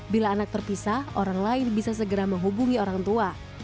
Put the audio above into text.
bila anak terpisah orang lain bisa segera menghubungi orang tua